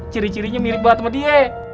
ciri cirinya mirip banget sama dia